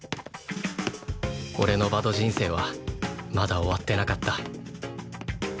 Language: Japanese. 俺のバド人生はまだ終わってなかった